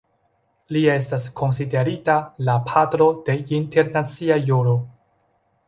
Li estas konsiderita la "patro de internacia juro".